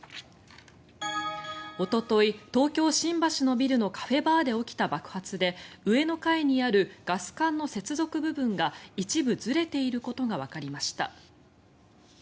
おととい、東京・新橋のビルのカフェバーで起きた爆発で上の階にあるガス管の接続部分が一部ずれていることがわかりました。